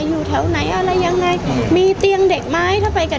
อยู่แถวไหนอะไรยังไงมีเตียงเด็กไหมถ้าไปกัน